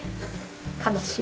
悲しい。